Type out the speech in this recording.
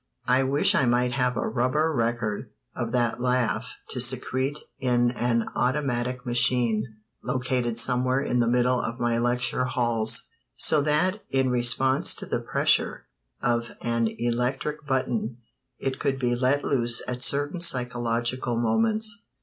I wish I might have a rubber record of that laugh to secrete in an automatic machine located somewhere in the middle of my lecture halls, so that in response to the pressure of an electric button it could be let loose at certain psychological moments.